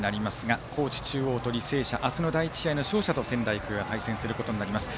高知中央と履正社明日の第１試合の勝者と仙台育英は対戦することになります。